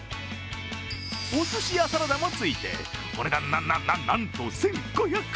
おすしやサラダもついて、お値段なんと、１５００円。